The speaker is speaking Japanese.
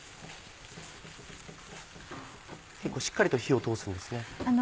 結構しっかりと火を通すんですね。